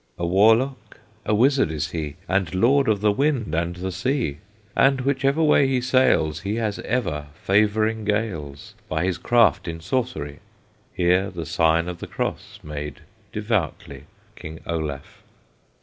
"A warlock, a wizard is he, And lord of the wind and the sea; And whichever way he sails, He has ever favoring gales, By his craft in sorcery." Here the sign of the cross made Devoutly King Olaf.